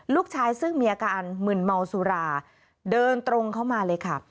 ลูกชายซึ่งมีอาการมึนเมาสุราเดินตรงเข้ามาเลยค่ะ